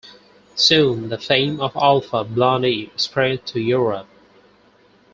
Soon, the fame of Alpha Blondy spread to Europe.